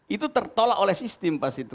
itu tertolak oleh sistem pasti itu